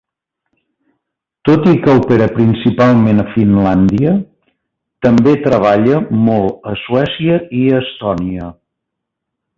Tot i que opera principalment a Finlàndia, també treballa molt a Suècia i Estònia.